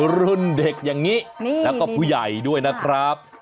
รุ่นเด็กอย่างนี้แล้วก็ผู้ใหญ่ด้วยนะครับ